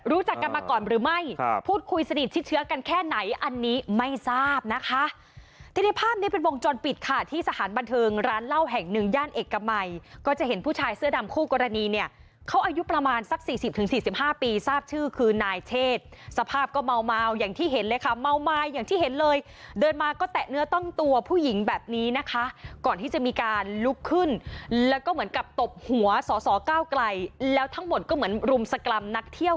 รู้จักกันมาก่อนหรือไม่พูดคุยสนิทชิดเชื้อกันแค่ไหนอันนี้ไม่ทราบนะคะที่ได้ภาพนี้เป็นวงจรปิดค่ะที่สถานบันเทิงร้านเล่าแห่งหนึ่งย่านเอกมัยก็จะเห็นผู้ชายเสื้อดำคู่กรณีเนี่ยเขาอายุประมาณสัก๔๐๔๕ปีทราบชื่อคือนายเทศสภาพก็เมาอย่างที่เห็นเลยค่ะเมาไม้อย่างที่เห็นเลยเดินมาก็แตะเนื้อต้